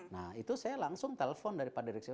nah itu saya langsung telpon dari pak direksi